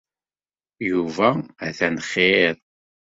Yuba atan xir.